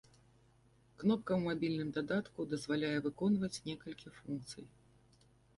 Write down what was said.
Кнопка ў мабільным дадатку дазваляе выконваць некалькі функцый.